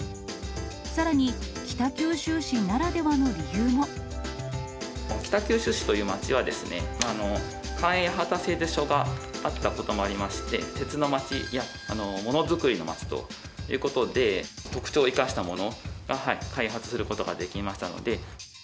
さらに、北九州市という町は、官営八幡製鉄所があったこともありまして、鉄の町やものづくりの町ということで、特徴を生かしたものを開発することができましたので。